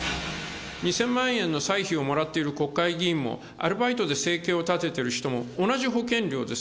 ２０００万円の歳費をもらっている国会議員も、アルバイトで生計を立ててる人も、同じ保険料です。